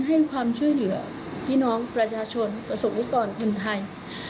ให้ความช่วยเหลือพี่น้องประชาชนประสบนิกรคนไทย